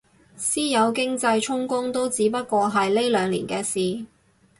私有經濟充公都只不過係呢兩年嘅事